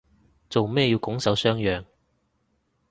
做咩要拱手相讓